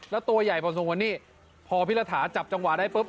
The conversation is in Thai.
แล้วตัวใหญ่พร้อมส่งวันนี้พอพิฤทธาจับจังหวะได้ปุ๊บ